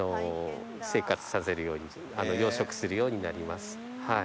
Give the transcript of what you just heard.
生活させるように養殖するようになります。